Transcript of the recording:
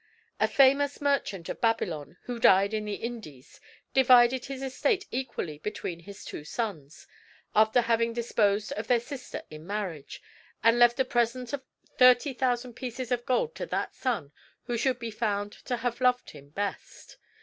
A famous merchant of Babylon, who died in the Indies, divided his estate equally between his two sons, after having disposed of their sister in marriage, and left a present of thirty thousand pieces of gold to that son who should be found to have loved him best.